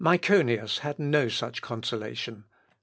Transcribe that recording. Myconius had no such consolation.